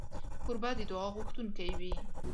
کوربه د دعا غوښتونکی وي.